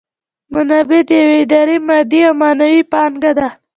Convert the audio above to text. منابع د یوې ادارې مادي او معنوي پانګه ده.